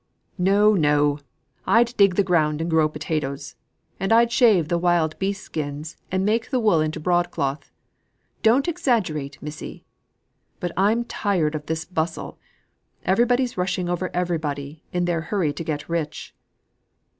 "No, no. I'd dig the ground and grow potatoes. And I'd shave the wild beast skin and make the wool into broadcloth. Don't exaggerate, missy. But I'm tired of this bustle. Everybody rushing over everybody, in their hurry to get rich."